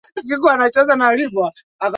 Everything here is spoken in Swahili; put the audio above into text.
kwa upande wake mgombea lauren bagbo